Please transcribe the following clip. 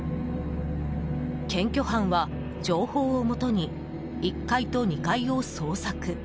検挙班は情報をもとに１階と２階を捜索。